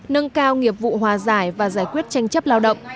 nâng cao nghiệp vụ hòa giải và giải quyết tranh chấp lao động